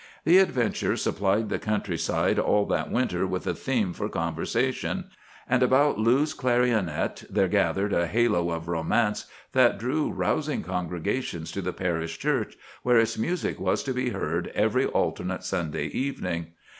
"The adventure supplied the country side all that winter with a theme for conversation; and about Lou's clarionet there gathered a halo of romance that drew rousing congregations to the parish church, where its music was to be heard every alternate Sunday evening."